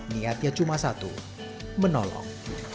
niatnya cuma satu menolong